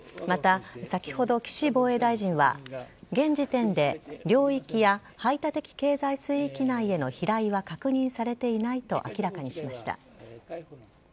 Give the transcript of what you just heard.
また、先ほど岸防衛大臣は現時点で領域や排他的経済水域内への飛来は確認されていないと明らかにしました。